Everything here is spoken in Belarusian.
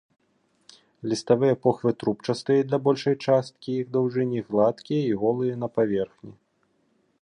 Ліставыя похвы трубчастыя для большай часткі іх даўжыні, гладкія і голыя на паверхні.